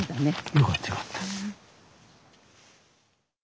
よかったよかった。